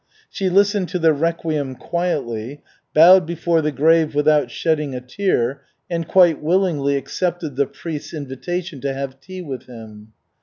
She listened to the requiem quietly, bowed before the grave without shedding a tear, and quite willingly accepted the priest's invitation to have tea with him.